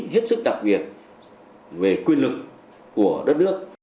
hết sức đặc biệt về quyền lực của đất nước